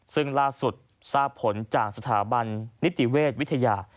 ซึ่งล่าสุดทราบผลจากสถาบันนิติเวชวิทยา